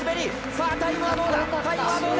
さあタイムはどうだ。